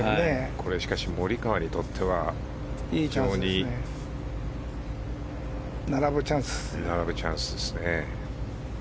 これ、モリカワにとっては非常に並ぶチャンスですね。